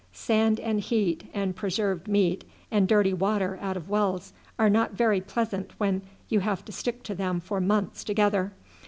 Sand and heat, and preserved meat and dirty water out of wells, are not very pleasant when you have to stick to them for months together.